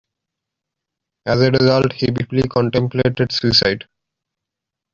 As a result, he briefly contemplated suicide.